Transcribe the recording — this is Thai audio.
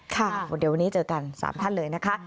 ค่ะเดี๋ยววันนี้เจอกัน๓ท่านเลยนะคะ